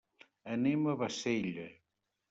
Anem a Bassella.